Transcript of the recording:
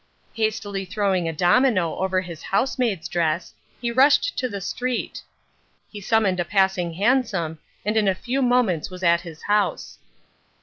Hastily throwing a domino over his housemaid's dress, he rushed to the street. He summoned a passing hansom, and in a few moments was at his house.